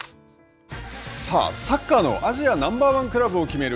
さあ、サッカーのアジアナンバーワンクラブを決める